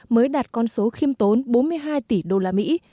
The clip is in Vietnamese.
mới đạt con số khiêm tốn bốn mươi hai tỷ đô la mỹ